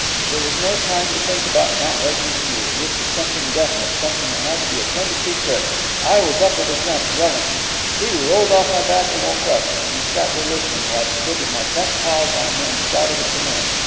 It was no time to think about not waking Peter. This was something definite, something that had to be attended to quick. I was up with a jump, yelling. Peter rolled off my back and woke up, and he sat there listening, while I stood with my front paws on him and shouted at the men.